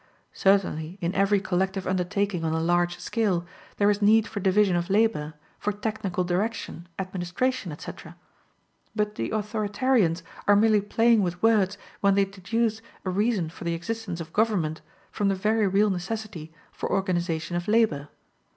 Certainly in every collective undertaking on a large scale, there is need for division of labor, for technical direction, administration, etc. But the authoritarians are merely playing with words, when they deduce a reason for the existence of government, from the very real necessity for organization of labor.